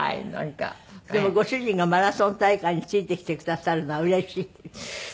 でもご主人がマラソン大会についてきてくださるのはうれしい？